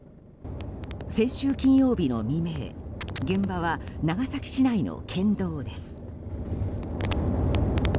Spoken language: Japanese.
先週金曜日の未明現場は長崎市内の県道です。